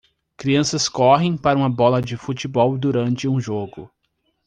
Crianças correm para uma bola de futebol durante um jogo.